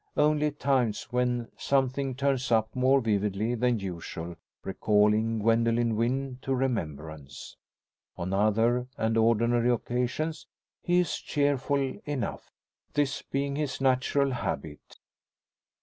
Only at times when something turns up more vividly than usual recalling Gwendoline Wynn to remembrance. On other and ordinary occasions he is cheerful enough, this being his natural habit.